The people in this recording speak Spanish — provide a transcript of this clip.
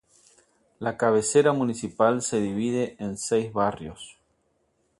La cabecera municipal se divide en seis barrios.